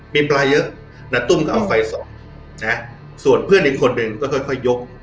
มีปลาเยอะนาตุ้มก็เอาไฟส่องนะส่วนเพื่อนอีกคนหนึ่งก็ค่อยยก